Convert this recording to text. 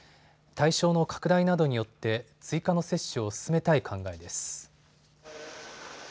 対象の拡大などによって追加の接種を進めたい考えです。